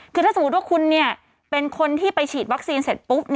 คือถ้าสมมุติว่าคุณเป็นคนที่ไปฉีดวัคซีนเสร็จปุ๊บ